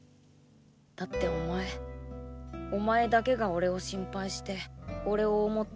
だってお前お前だけが俺を心配して俺を「想って」